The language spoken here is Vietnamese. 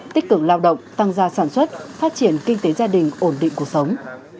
tích cực lao động tăng gia sản xuất phát triển kinh tế gia đình ổn định cuộc sống